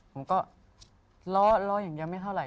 ผมก็ล้ออย่างนี้ไม่เท่าไร